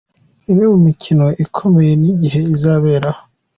Imwe mu mikino ikomeye n’igihe izaberaho:.